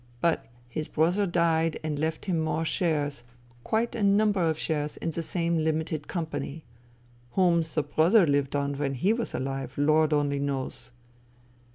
But his brother died and left him more shares, quite a number of shares, in the same limited company. Whom the brother lived on when he was alive, Lord only knows